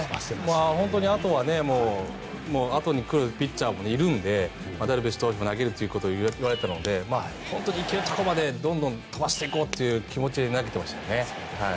本当にあとに来るピッチャーもいるのでダルビッシュ投手も投げるということを言われていたので本当に行けるところまでどんどん飛ばしていこうという気持ちで投げていましたね。